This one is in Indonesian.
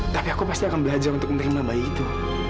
tapi aku pasti akan belajar untuk menerima bayi itu